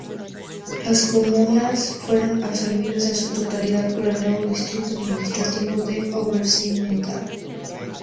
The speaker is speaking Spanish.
Las comunas fueron absorbidas en su totalidad por el nuevo distrito administrativo de Obersimmental-Saanen.